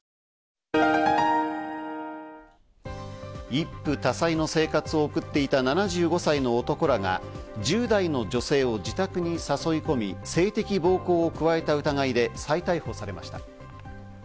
一夫多妻の生活を送っていた７５歳の男らが１０代の女性を自宅に誘い込み、性的暴行を加えた疑いで再逮捕されました。